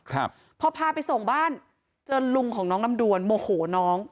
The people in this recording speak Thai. ครับพอพาไปส่งบ้านเจอลุงของน้องลำดวนโมโหน้อง